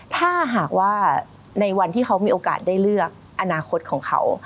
ถ้าหากว่าในวันที่เขามีโอกาสได้เลือกอนาคตของเขา